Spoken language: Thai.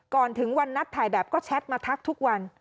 ก่อนถึงวันนัดถ่ายแบบก็แชทมาทักทุกวัน